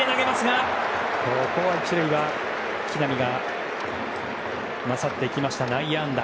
ここは１塁は木浪が勝っていきました、内野安打。